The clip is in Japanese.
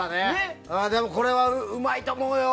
でも、これはうまいと思うよ。